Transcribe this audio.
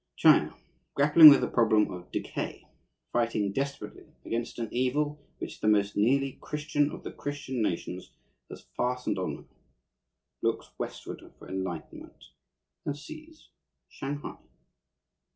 China, grappling with the problem of decay, fighting desperately against an evil which the most nearly Christian of the Christian nations has fastened on her, looks westward for enlightenment, and sees Shanghai.